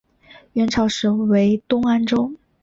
元朝时为东安州。